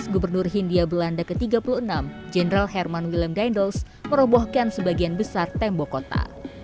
gubernur hindia belanda ke tiga puluh enam jenderal herman william dindels merobohkan sebagian besar tembok kota